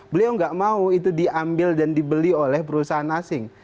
beliau nggak mau itu diambil dan dibeli oleh perusahaan asing